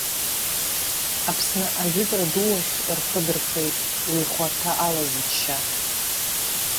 Аԥсны ажәытәра ду ахь рхы дырхеит, уи хәарҭа алаз џьшьа.